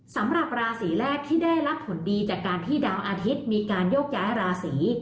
สำหรับราศีแรกที่ได้รับผลดีจากการที่ดาวอาทิตย์มีการโยกย้ายราศี